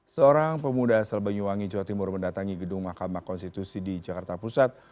seorang pemuda asal banyuwangi jawa timur mendatangi gedung mahkamah konstitusi di jakarta pusat